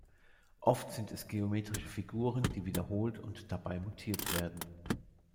Oft sind es geometrische Figuren, die wiederholt und dabei mutiert werden.